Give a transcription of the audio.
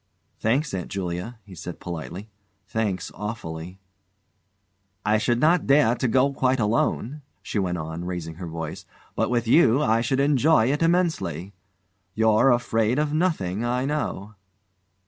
"Thanks, Aunt Julia," he said politely; "thanks awfully." "I should not dare to go quite alone," she went on, raising her voice; "but with you I should enjoy it immensely. You're afraid of nothing, I know."